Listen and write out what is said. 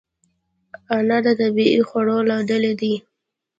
انار د طبیعي خوړو له ډلې دی.